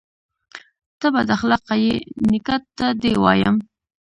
_ته بد اخلاقه يې، نيکه ته دې وايم.